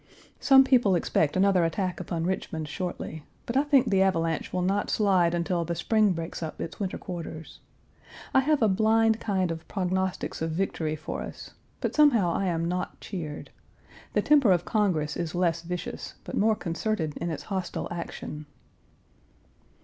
Some people expect another attack upon Richmond shortly, but I think the avalanche will not slide until the spring breaks up its winter quarters. I have a blind kind of prognostics of victory for us, but somehow I am not cheered. The temper of Congress is less vicious, but more concerted in its hostile action."